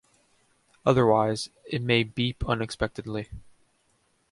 Otherwise, it may beep unexpectedly.